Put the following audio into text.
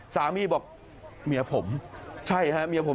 สามีบอกเมียผมใช่ฮะเมียผม